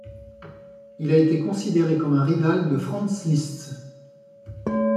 Il a été considéré comme un rival de Franz Liszt.